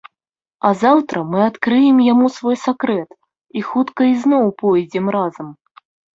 А заўтра мы адкрыем яму свой сакрэт і хутка ізноў пойдзем разам.